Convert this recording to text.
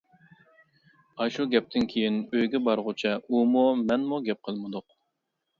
ئاشۇ گەپتىن كىيىن ئۆيگە بارغۇچە ئۇمۇ، مەنمۇ گەپ قىلمىدۇق.